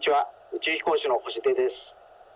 宇宙飛行士の星出です。